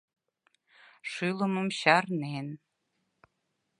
Шӱлымым чарнен.